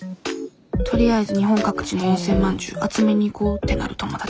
とりあえず日本各地の温泉まんじゅう集めに行こうってなる友達。